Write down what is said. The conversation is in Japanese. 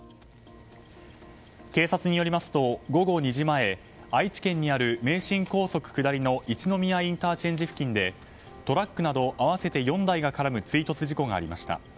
警察によりますと、午後２時前愛知県にある名神高速下りの一宮ＩＣ付近でトラックなど合わせて４台が絡む追突事故がありました。